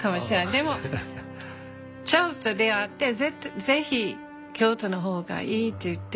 でもチャールズと出会って是非京都の方がいいって言って。